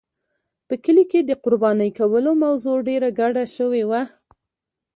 په کلي کې د قربانۍ کولو موضوع ډېره ګډه شوې وه.